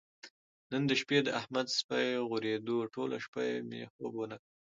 نن د شپې د احمد سپی غورېدو ټوله شپه یې مې خوب ونه کړ.